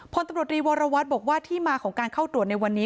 พรรีวรวรวัสบอกว่าที่มาของการเข้าดูดในวันนี้